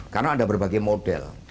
karena ada berbagai model